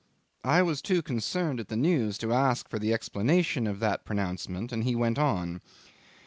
I was too concerned at the news to ask for the explanation of that pronouncement, and he went on.